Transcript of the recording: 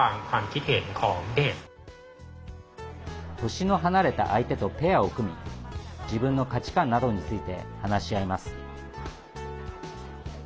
年の離れた相手とペアを組み自分の価値観などについて話し合います。